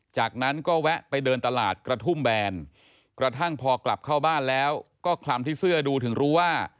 จากนั้นก็แวะไปเดินตลาดกระทุ่มแบนกระทั่งพอกลับเข้าบ้านแล้วก็คลำที่เสื้อดูถึงรู้ว่า